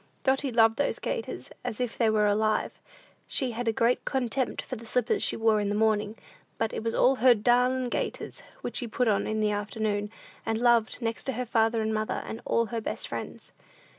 Dotty loved those gaiters as if they were alive. She had a great contempt for the slippers she wore in the morning, but it was her "darlin' gaiters," which she put on in the afternoon, and loved next to father and mother, and all her best friends.